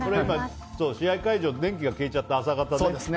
試合会場で電気が消えちゃって朝方ね。